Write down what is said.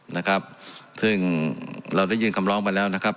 นะครับซึ่งเราได้ยื่นคำร้องไปแล้วนะครับ